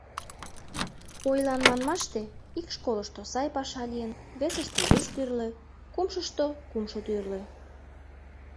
Ойлан манмаште, ик школышто сай паша лийын, весыште вес тӱрлӧ, кумшышто кумшо тӱрлӧ.